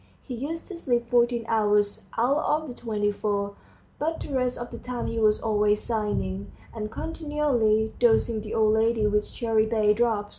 He used to sleep fourteen hours out of the twenty four, but the rest of the time he was always sighing, and continually dosing the old lady with cherrybay drops.